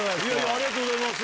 ありがとうございます。